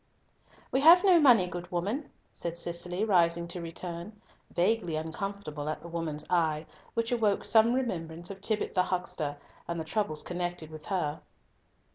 "We have no money, good woman," said Cicely, rising to return, vaguely uncomfortable at the woman's eye, which awoke some remembrance of Tibbott the huckster, and the troubles connected with her.